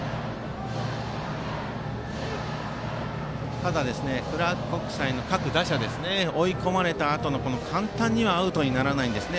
ただクラーク国際の各打者追い込まれたあと、簡単にはアウトにならないんですね。